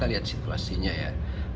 kita lihat situasinya ya